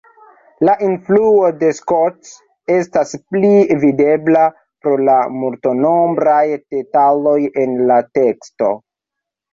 La influo de Scott estas plie videbla pro la multnombraj detaloj en la teksto.